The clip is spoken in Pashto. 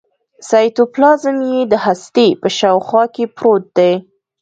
سایتوپلازم یې د هستې په شاوخوا کې پروت دی.